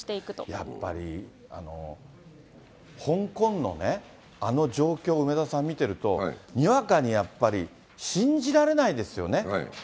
やっぱり、香港のあの状況を、梅沢さん、見てると、にわかにやっぱり、信じられないですよね。